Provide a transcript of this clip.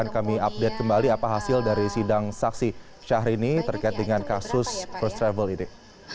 kami update kembali apa hasil dari sidang saksi syahrini terkait dengan kasus first travel ini